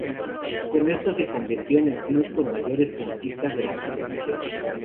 Con esto se convirtió en el club con mayores conquistas de la competición.